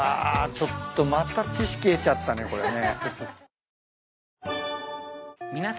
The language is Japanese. ちょっとまた知識得ちゃったねこれね。